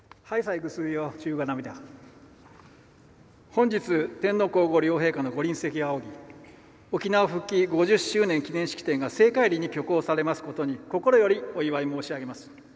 本日、天皇皇后両陛下の御臨席を仰ぎ「沖縄復帰５０周年記念式典」が盛会裏に挙行されますことに心よりお祝い申し上げます。